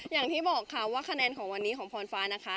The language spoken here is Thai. อย่างที่บอกค่ะว่าคะแนนของวันนี้ของพรฟ้านะคะ